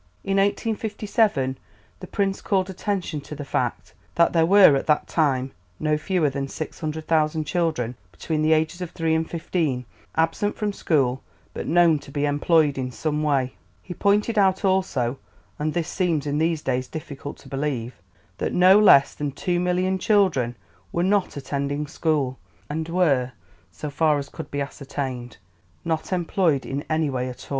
In 1857 the Prince called attention to the fact that there were at that time no fewer than 600,000 children between the ages of three and fifteen absent from school but known to be employed in some way; he pointed out also and this seems in these days difficult to believe that no less than two million children were not attending school, and were, so far as could be ascertained, not employed in any way at all.